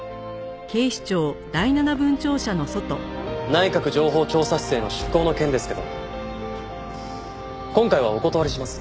内閣情報調査室への出向の件ですけど今回はお断りします。